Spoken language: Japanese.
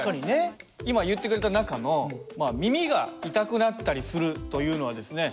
今言ってくれた中のまあ耳が痛くなったりするというのはですね